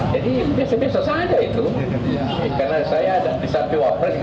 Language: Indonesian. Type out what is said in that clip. jadi biasa biasa saja itu